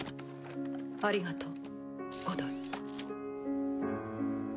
ありがとうゴドイ。